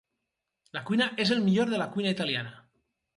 La cuina és el millor de la cuina italiana.